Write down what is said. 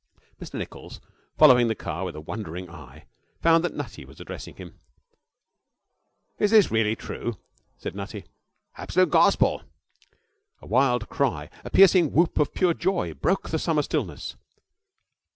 Mr Nichols, following the car with a wondering eye, found that Nutty was addressing him. 'Is this really true?' said Nutty. 'Absolute gospel.' A wild cry, a piercing whoop of pure joy, broke the summer stillness.